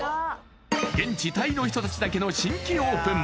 現地タイの人たちだけの新規オープン